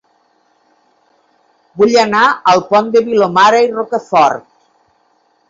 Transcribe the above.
Vull anar a El Pont de Vilomara i Rocafort